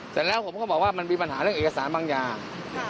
เสร็จแล้วผมก็บอกว่ามันมีปัญหาเรื่องเอกสารบางอย่าง